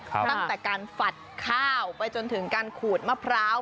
ตั้งแต่การฝัดข้าวไปจนถึงการขูดมะพร้าว